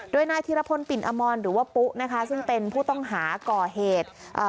โดยนายธีรพลปิ่นอมรหรือว่าปุ๊นะคะซึ่งเป็นผู้ต้องหาก่อเหตุเอ่อ